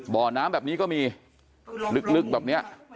บ่อน้ำแบบนี้ก็มีลึกแบบนี้